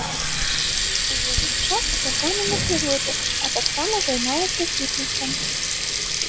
У вольны час з сябрамі на прыродзе, а таксама займаецца фітнэсам.